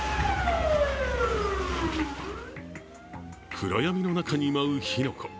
暗闇の中に舞う火の粉。